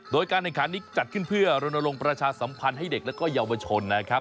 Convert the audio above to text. โดยการแข่งขันนี้จัดขึ้นเพื่อรณรงค์ประชาสัมพันธ์ให้เด็กและก็เยาวชนนะครับ